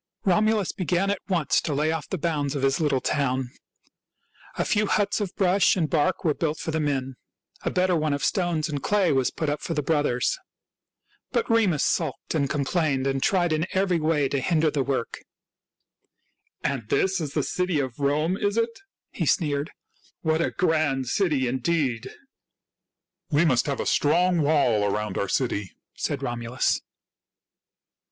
Romulus began at once to lay off the bounds of his little town. A few huts of brush and bark were built for the men. A better one of stones and clay was put up for the brothers. But Remus sulked and complained and tried in every way to hinder 196 THIRTY MORE FAMOUS STORIES the work. "And this is the city of Rome, is it?" he sneered. " What a grand city, indeed !"" We must have a strong wall around our city," said Romulus.